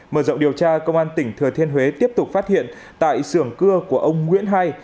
mở rộng điều tra công an tỉnh thừa thiên huế tiếp tục phát hiện tại sưởng cưa của ông nguyễn hai